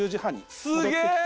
すげえ！